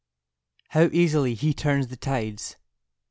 How easily He turns the tides!